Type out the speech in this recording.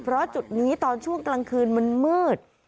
เพราะจุดนี้ตอนช่วงกลางคืนมันมืด